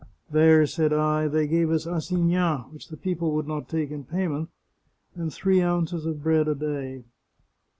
* There,' said I, ' they gave us assignats which the people would not take in payment, and three ounces of bread a day.'